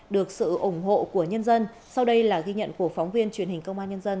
được sự ủng hộ của nhân dân sau đây là ghi nhận của phóng viên truyền hình công an nhân dân